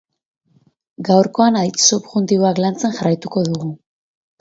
Gaurkoan aditz subjuntiboak lantzen jarraituko dugu.